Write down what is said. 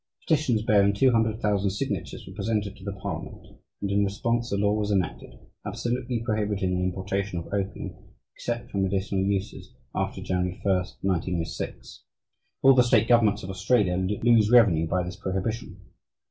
Petitions bearing 200,000 signatures were presented to the parliament, and in response a law was enacted absolutely prohibiting the importation of opium, except for medicinal uses, after January 1, 1906. All the state governments of Australia lose revenue by this prohibition.